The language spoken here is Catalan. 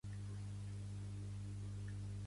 Qui en el casament encerta, en res erra.